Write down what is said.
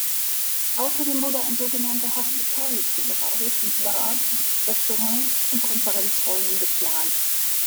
Außerdem wurde ein sogenannter Hospitality-Bereich mit Bars, Restaurants und Konferenzräumen geplant.